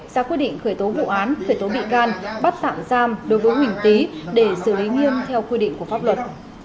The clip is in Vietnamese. ra quyết định khởi tố vụ án khởi tố bị can bắt tạm giam đối với huỳnh tý để xử lý nghiêm theo quy định của pháp luật